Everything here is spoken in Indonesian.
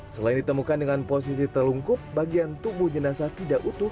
selain ditemukan dengan posisi terlungkup bagian tubuh jenasa tidak utuh